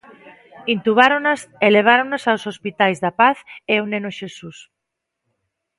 Intubáronas e leváronas aos hospitais da Paz e o Neno Xesús.